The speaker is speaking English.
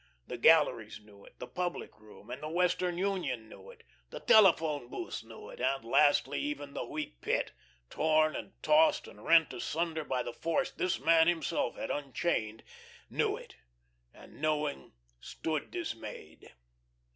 The galleries knew it, the public room, and the Western Union knew it, the telephone booths knew it, and lastly even the Wheat Pit, torn and tossed and rent asunder by the force this man himself had unchained, knew it, and knowing stood dismayed.